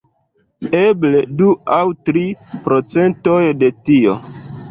Eble du aŭ tri procentoj de tio.